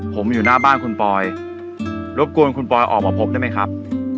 ผมอยู่หน้าบ้านคุณปอยรบกวนคุณปอยออกมาพบได้ไหมครับ